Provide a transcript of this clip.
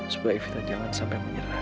supaya kita jangan sampai menyerah